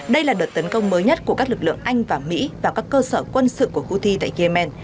đây là đợt tấn công mới nhất của các lực lượng anh và mỹ vào các cơ sở quân sự của houthi tại yemen